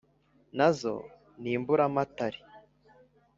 Nazo niMburamatare :